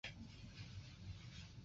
历时一年零八个月建成。